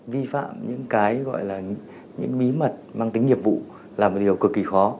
vi phạm những cái gọi là những bí mật mang tính nghiệp vụ là một điều cực kỳ khó